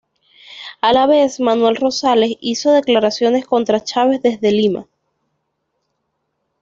A la vez, Manuel Rosales hizo declaraciones contra Chávez desde Lima.